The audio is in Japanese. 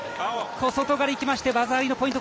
小外刈りが来まして技ありのポイント。